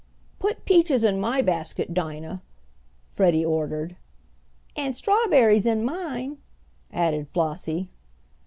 "Put peaches in my basket, Dinah," Freddie ordered. "And strawberries in mine," added Flossie.